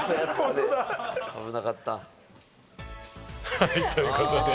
はい、ということで。